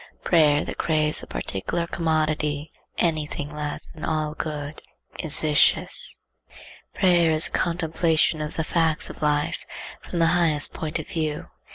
Prayer that craves a particular commodity, any thing less than all good, is vicious. Prayer is the contemplation of the facts of life from the highest point of view.